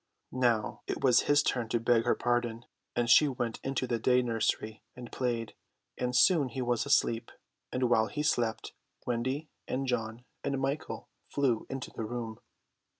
Now it was his turn to beg her pardon; and she went into the day nursery and played, and soon he was asleep; and while he slept, Wendy and John and Michael flew into the room.